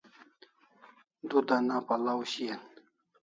Du dana pal'aw shian